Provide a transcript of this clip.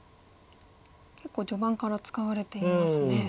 結構序盤から使われていますね。